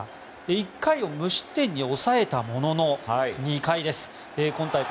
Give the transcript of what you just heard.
１回を無失点に抑えたものの２回、今大会